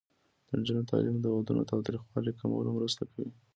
د نجونو تعلیم د ودونو تاوتریخوالي کمولو مرسته کوي.